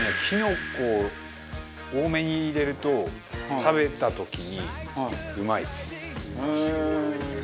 きのこを多めに入れると食べた時にうまいです。